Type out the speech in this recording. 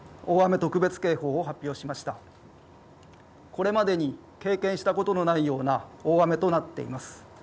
これまでに経験したことのないような大雨となっています。